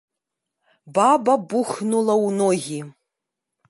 Баба бухнула ў ногі.